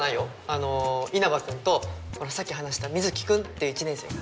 あの稲葉君とほらさっき話した水城君っていう１年生が。